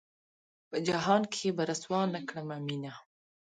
پۀ جهان کښې به رسوا نۀ کړمه مينه